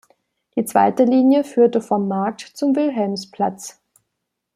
Die zweite Linie führte vom "Markt" zum "Wilhelmsplatz".